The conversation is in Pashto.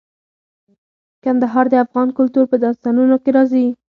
کندهار د افغان کلتور په داستانونو کې راځي.